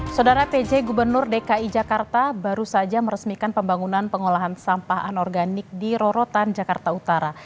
saudara pj gubernur dki jakarta baru saja meresmikan pembangunan pengolahan sampah anorganik di rorotan jakarta utara